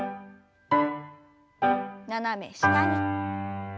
斜め下に。